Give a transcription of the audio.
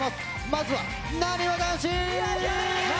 まずはなにわ男子！